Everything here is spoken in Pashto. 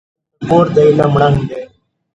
هلته کور د علم ړنګ دی